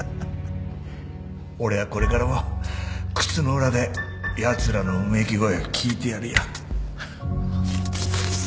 俺はこれからも靴の裏でやつらのうめき声を聞いてやるよ。